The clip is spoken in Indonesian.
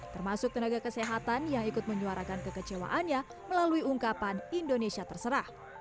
termasuk tenaga kesehatan yang ikut menyuarakan kekecewaannya melalui ungkapan indonesia terserah